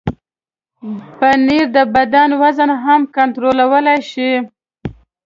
پنېر د بدن وزن هم کنټرولولی شي.